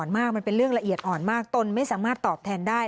มันเป็นเรื่องละเอียดอ่อนมากตนไม่สามารถตอบแทนได้